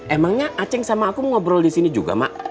emangnya aceh sama aku ngobrol di sini juga mak